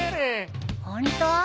ホント？